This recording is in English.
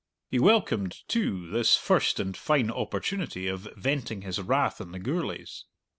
He welcomed, too, this first and fine opportunity of venting his wrath on the Gourlays.